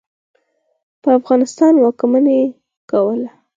په افغانستان واکمني کوله.